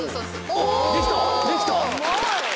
おっできた！